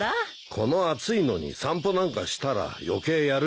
この暑いのに散歩なんかしたら余計やる気がうせてしまう。